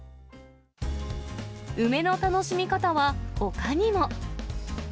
梅の楽しみ方はほかにも。